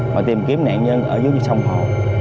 và tìm kiếm nạn nhân ở dưới sông hồ